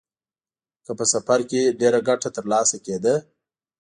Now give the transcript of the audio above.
که په سفر کې ډېره ګټه ترلاسه کېده.